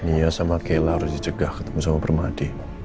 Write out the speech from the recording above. nia sama keila harus dicegah ketemu sama permadi